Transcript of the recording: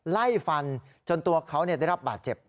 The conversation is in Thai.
ไล่ฟันจนตัวเขาได้รับบาดเจ็บ